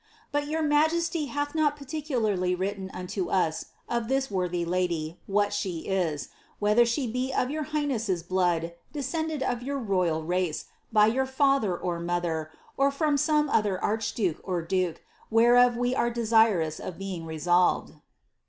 But your majesty hath not particularly writ im unto OS of that worthy lady, what she is ; whether she be of your highness*s blood, descended of your royal race, by your father or mother, or from some other iicbdnke or dnke, whereof we are desirous of being resolved."